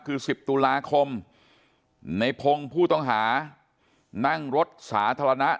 คือ๑๐ตุลาคมในพงศ์ผู้ต้องหานั่งรถสาธารณะ